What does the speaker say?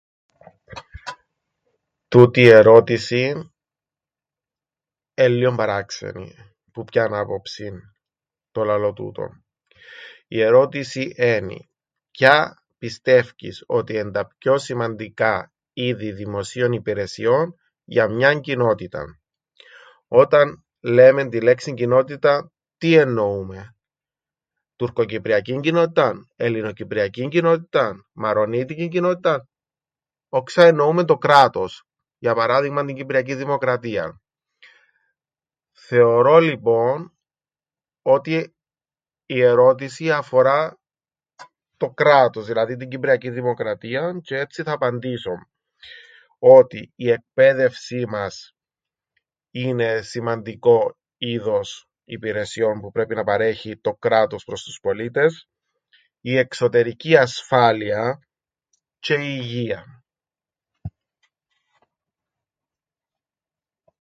"Τούτη η ερώτηση εν' λλίον παράξενη. Που ποιαν άποψην το λαλώ τούτον; Η ερώτηση ένι: Ποια πιστεύκεις ότι εν' τα πιο σημαντικά είδη δημοσίων υπηρεσιών για μιαν κοινότηταν; Όταν λέμεν την λέξην ""κοινότητα"" τι εννοούμεν; Τουρκοκυπριακήν κοινότηταν, ελληνοκυπριακήν κοινότηταν, μαρωνίτικην κοινότηταν; Όξα εννοούμεν το κράτος; Για παράδειγμαν την Κυπριακήν Δημοκρατίαν; Θεωρώ, λοιπόν, ότι η ερώτηση αφορά το κράτος, δηλαδή την Κυπριακήν Δημοκρατίαν, τζ̆αι έτσι θα απαντήσω, ότι η εκπαίδευσή μας είναι σημαντικόν είδος υπηρεσιών που πρέπει να παρέχει το κράτος προς τους πολίτες, η εξωτερική ασφάλεια τζ̆αι η υγεία."